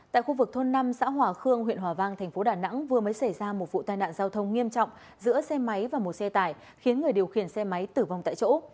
tại khu vực thôn năm xã hòa khương huyện hòa vang thành phố đà nẵng vừa mới xảy ra một vụ tai nạn giao thông nghiêm trọng giữa xe máy và một xe tải khiến người điều khiển xe máy tử vong tại chỗ